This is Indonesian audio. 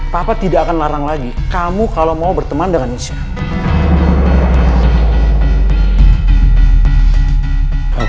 papa tidak akan larang lagi kamu kalau mau berteman dengan chef